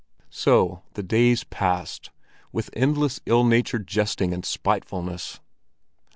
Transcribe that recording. So the day passed, with endless ill natured jesting and spitefulness.